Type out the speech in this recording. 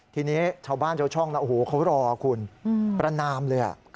ทีนี้ชาวบ้านชาวช่องนะโอ้โหเขารอคุณประนามเลย